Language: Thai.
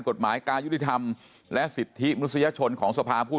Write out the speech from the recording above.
กฎหมายการยุติธรรมและสิทธิมนุษยชนของสภาผู้